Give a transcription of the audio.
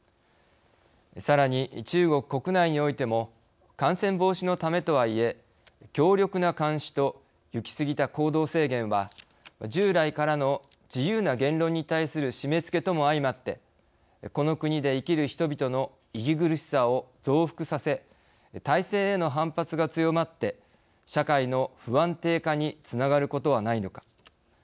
さらに中国国内においても感染防止のためとはいえ強力な監視と行き過ぎた行動制限は従来からの自由な言論に対する締めつけとも相まってこの国で生きる人々の息苦しさを増幅させ体制への反発が強まって社会の不安定化につながることはないのか。